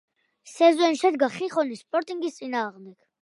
სეზონში შედგა, ხიხონის სპორტინგის წინააღმდეგ.